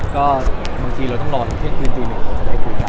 ก็บางทีเราต้องรอถึงเทคคืนตีหนึ่งแล้วก็ได้คุยกัน